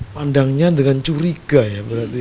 pandangnya dengan curiga ya berarti